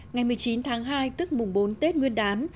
ngày một mươi chín tháng hai tức mùng bốn tết nguyên đán